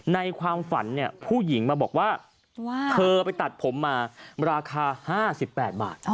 ในความฝันเนี่ยผู้หญิงมาบอกว่าเธอไปตัดผมมาราคา๕๘บาท